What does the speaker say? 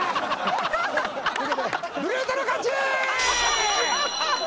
ブルートの勝ち！